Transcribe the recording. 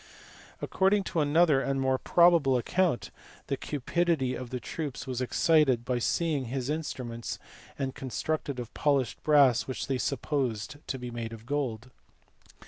According to another and more probable account, the cupidity of the troops was excited by seeing his instruments, constructed of polished brass which they supposed to be made of gold.